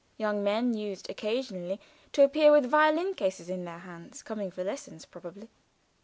Young men used occasionally to appear with violin cases in their hands, coming for lessons, probably.